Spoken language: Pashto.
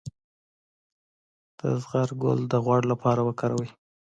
د زغر ګل د غوړ لپاره وکاروئ